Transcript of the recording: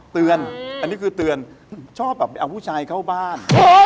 อันนี้คือเตือนชอบแบบไปเอาผู้ชายเข้าบ้าน